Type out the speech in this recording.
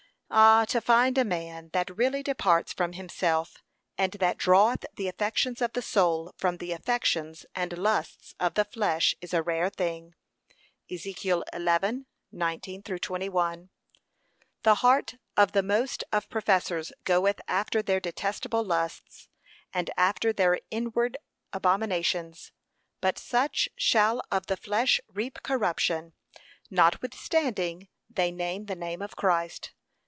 Ah! to find a man that really departs from himself, and that draweth the affections of the soul, from the affections and lusts of his flesh is rare thing. (Ezek. 11:19 21) The heart of the most of professors goeth after their detestable lusts, and after their inward abominations. But such shall of the flesh reap corruption,' notwithstanding they name the name of Christ.